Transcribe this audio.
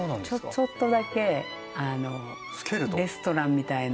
ちょっとだけレストランみたいな。